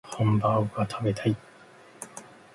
ハンバーグが食べたい